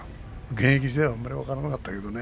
現役時代はあまり分からなかったけどね。